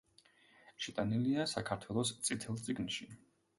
შეტანილია „საქართველოს წითელ წიგნში“.